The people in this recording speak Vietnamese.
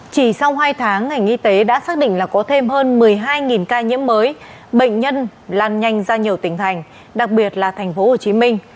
chỉ sau hai tháng ngành y tế đã xác định là có thêm hơn một mươi hai ca nhiễm mới bệnh nhân làn nhanh ra nhiều tỉnh thành đặc biệt là tp hcm